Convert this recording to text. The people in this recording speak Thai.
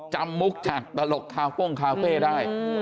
จำมุกจากตลกข้าวป้องข้าวเป้ได้